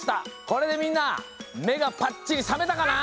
これでみんなめがぱっちりさめたかな？